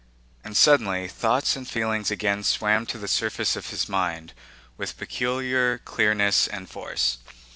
And suddenly thoughts and feelings again swam to the surface of his mind with peculiar clearness and force.